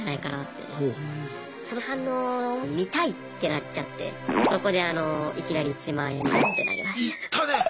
その反応を「見たい！」ってなっちゃってそこでいきなり１万円ぼんって投げました。